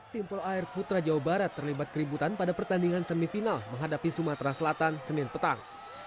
tim polo air putra jawa barat terlibat keributan pada pertandingan semifinal menghadapi sumatera selatan senin petang